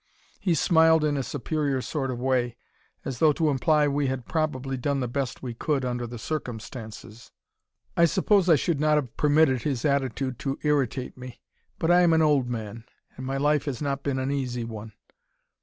He smiled in a superior sort of way, as though to imply we had probably done the best we could, under the circumstances. I suppose I should not have permitted his attitude to irritate me, but I am an old man, and my life has not been an easy one.